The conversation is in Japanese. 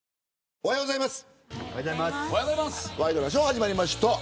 おはようございます。